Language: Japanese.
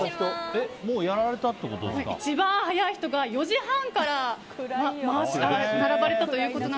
一番早い人が４時半から並ばれたと。